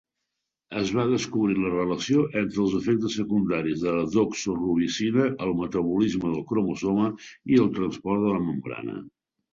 Es va descobrir la relació entre els efectes secundaris de la doxorubicina, el metabolisme del cromosoma i el transport de la membrana.